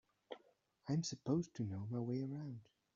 I'm supposed to know my way around.